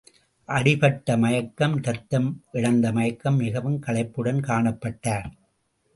அடிபட்ட மயக்கம், இரத்தம் இழந்த மயக்கம் மிகவும் களைப்புடன் காணப்பட்டார்.